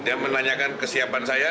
dia menanyakan kesiapan saya